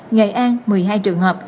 nghệ an một mươi hai trường hợp